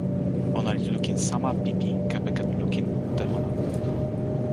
ona li lukin sama pipi kepeken lukin mute ona.